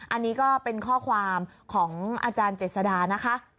อันนี้ก็เป็นข้อความของอาจารย์เจษดานะคะ